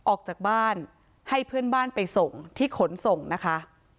ออกจากบ้านให้เพื่อนบ้านไปส่งที่ขนส่งนะคะ